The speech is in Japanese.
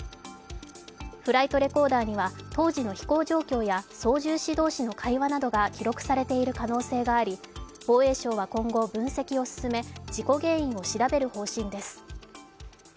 フライトレコーダーには当時の飛行状況や操縦士同士の会話などが記録されている可能性があり防衛省は今後、分析を進め、事故原因を調べる方針です。